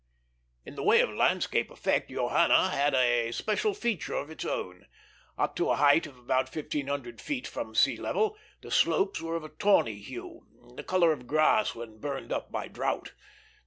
In the way of landscape effect, Johanna had a special feature of its own. Up to a height of about fifteen hundred feet from the sea level, the slopes were of a tawny hue, the color of grass when burned up by drought.